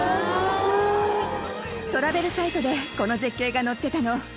トラベルサイトでこの絶景が載ってたの。